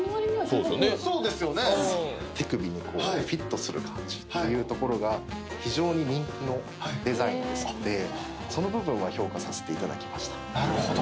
手首にフィットする感じっていうところが非常に人気のデザインですのでその部分は評価させていただきました